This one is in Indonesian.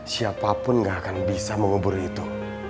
siapapun gak akan bisa mengubur itu